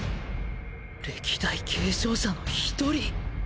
歴代継承者の１人！！